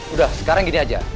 udah sekarang gini aja